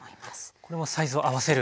これもサイズを合わせる？